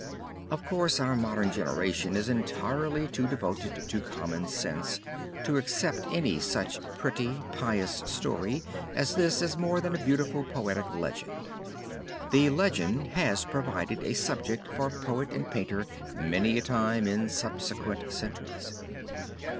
Of course our modern generation is entirely too devoted to "common sense" to accept any such pretty, pious story as this as more than a beautiful poetic legend. The legend has provided a subject for poet and painter many a time in subsequent centuries.